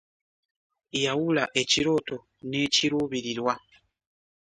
Yawula ekirooto ne kiruubirirwa.